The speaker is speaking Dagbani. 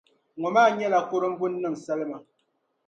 Ŋɔ maa nyɛla kurumbuni nima salima.